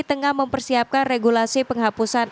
tengah mempersiapkan regulasi penghapusan